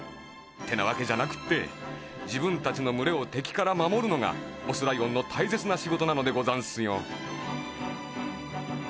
てなわけじゃなくってじぶんたちのむれをてきからまもるのがオスライオンのたいせつなしごとなのでござんすよ。